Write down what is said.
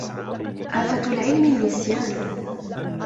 آفة العِلْم النسيان